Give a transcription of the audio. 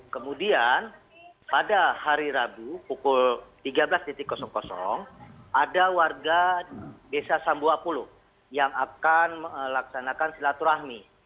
kemudian pada hari rabu pukul tiga belas ada warga desa sambuapulu yang akan melaksanakan silaturahmi